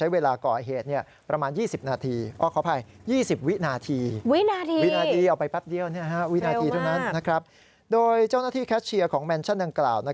เวลา๑นาทีเท่านั้นนะครับโดยเจ้าหน้าที่แคชเชียร์ของแมนชั่นดังกล่าว